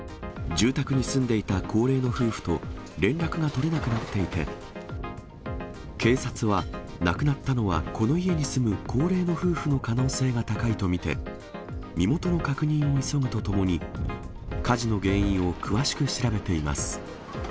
住宅に住んでいた高齢の夫婦と連絡が取れなくなっていて、警察は、亡くなったのはこの家に住む高齢の夫婦の可能性が高いと見て、身元の確認を急ぐとともに、火事の原因を詳しく調べています。